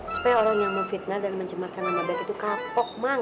supaya orang yang mau fitnah dan mencemarkan nama baik itu kapok mang